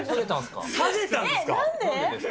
下げたんですか？